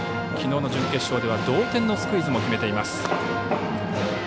きのうの準決勝では同点のスクイズも決めています。